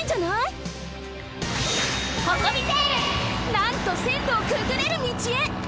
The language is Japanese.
なんとせんろをくぐれる道へ！